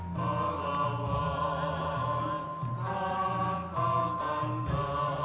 kalawan tanpa tanda